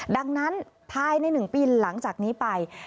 ดังนั้นภายใน๑ปีหลังจากนี้ไป